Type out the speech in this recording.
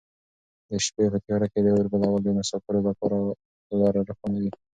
د شپې په تیاره کې د اور بلول د مساپرو لپاره لاره روښانوي.